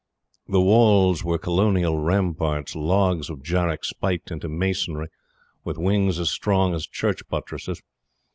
The walls were colonial ramparts logs of jarrak spiked into masonry with wings as strong as Church buttresses.